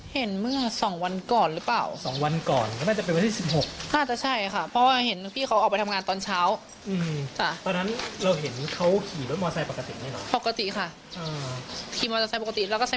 หลัง๑๖มาเราเจออีกมั้ย